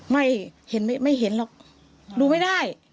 ไม่เห็นไม่เห็นหรอกดูไม่ได้